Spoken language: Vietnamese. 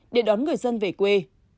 để đón người dân về quê